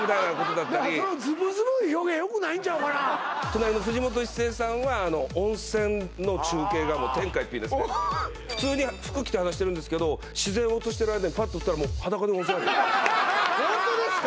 そのズブズブいう表現よくないんちゃうかな隣の藤本一精さんは温泉の中継がもう天下一品ですねはあ普通に服着て話してるんですけど自然を映してる間にパッ撮ったらもう裸で温泉入るホントですか？